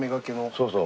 そうそう。